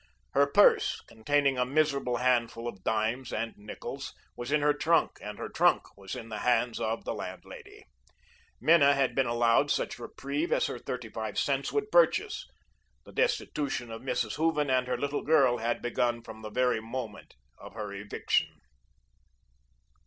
Her purse, containing a miserable handful of dimes and nickels, was in her trunk, and her trunk was in the hands of the landlady. Minna had been allowed such reprieve as her thirty five cents would purchase. The destitution of Mrs. Hooven and her little girl had begun from the very moment of her eviction.